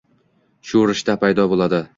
Shu rishta paydo bo’ladi.